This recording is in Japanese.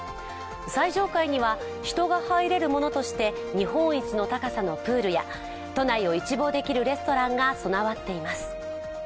最上階には、人が入れるものとして日本一の高さのプールや都内を一望できるレストランが備わっています。